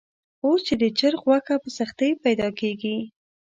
اوس چې د چرګ غوښه په سختۍ پیدا کېږي.